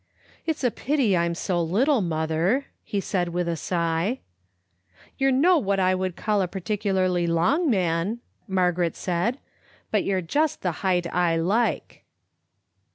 " It's a pity I'm so little, mother," he said with a sigh. "You're no what I would call a particularly long man," Margaret said, "but you're just the height I like."